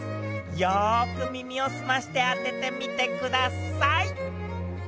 よく耳を澄まして当ててみてください